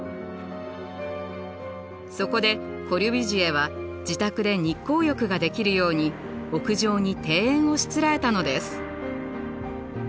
そこでコルビュジエは自宅で日光浴ができるように屋上に庭園をしつらえたのです。